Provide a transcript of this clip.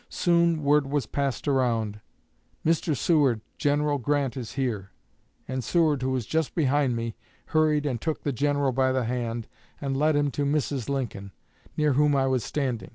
Soon word was passed around 'Mr. Seward, General Grant is here,' and Seward, who was just behind me, hurried and took the General by the hand and led him to Mrs. Lincoln, near whom I was standing.